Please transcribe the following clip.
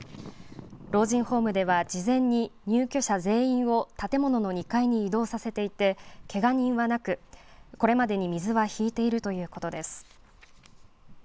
老人ホームでは事前に入居者全員を建物の２階に移動させていてけが人はなくこれまでに水は引いているということです。